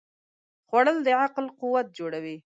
خوړل د عقل قوت جوړوي